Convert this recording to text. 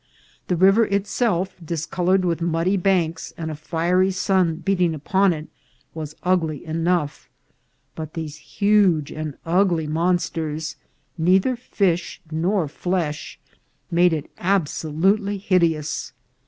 The river itself, discoloured, with muddy banks, and a fiery sun beating upon it, was ugly enough ; but these huge and ugly monsters, neither fish nor flesh, made it absolutely hideous.